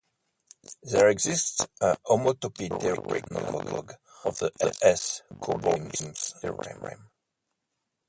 There exists a homotopy theoretic analogue of the s-cobordism theorem.